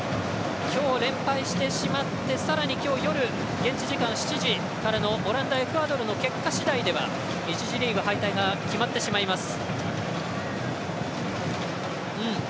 今日、連敗してしまってさらに、今日、夜現地時間７時からのオランダ、エクアドルの結果次第では１次リーグ敗退が決まってしまいます。